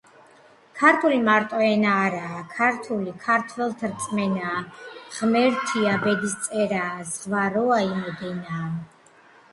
ქარტული მარტო ენაა? ქართული ქართველთ რწმენაა, ღმერთია ბედისწერაა, ზღვა როა იმოდენაა